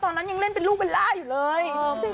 ตอนนั้นยังเล่นเป็นลูกเวลาอยู่เลย